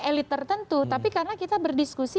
elit tertentu tapi karena kita berdiskusi